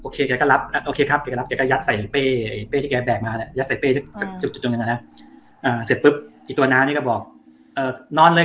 กรับหน้าเนี้ยบอกว่านอนเลยครับนอนเลย